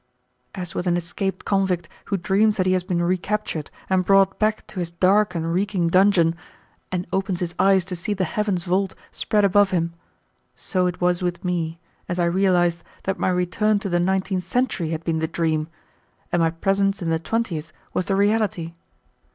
As with an escaped convict who dreams that he has been recaptured and brought back to his dark and reeking dungeon, and opens his eyes to see the heaven's vault spread above him, so it was with me, as I realized that my return to the nineteenth century had been the dream, and my presence in the twentieth was the reality.